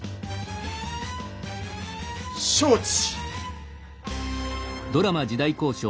承知。